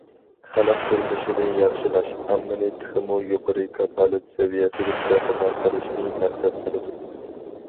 خەلق تۇرمۇشىنى ياخشىلاش ئاممىنى تېخىمۇ يۇقىرى كاپالەت سەۋىيەسىدىن بەھرىمەن قىلىشنى مەقسەت قىلىدۇ.